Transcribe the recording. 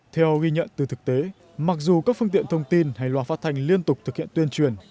theo ghi nhận từ thực tế mặc dù các phương tiện thông tin hay loà phát thanh liên tục thực hiện tuyên truyền